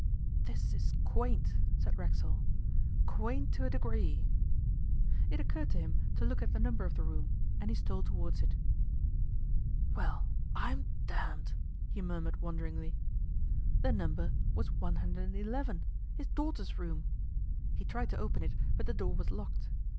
'This is quaint,' said Racksole; 'quaint to a degree!' It occurred to him to look at the number of the room, and he stole towards it. 'Well, I'm d d!' he murmured wonderingly. The number was 111, his daughter's room! He tried to open it, but the door was locked.